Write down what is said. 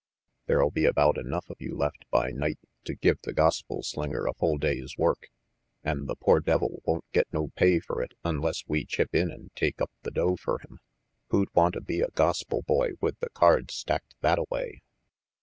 "There'll be about enough of you left by night to give the gospel slinger a full day's work. An' the poor devil won't get no pay fer it unless we chip in and take up the dough fer him. Who'd wanta be a gospel boy with the cards stacked thatta way?"